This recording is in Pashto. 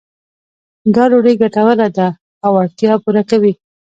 دا ډوډۍ ګټوره ده او اړتیا پوره کوي.